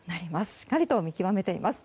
しっかりと見極めています。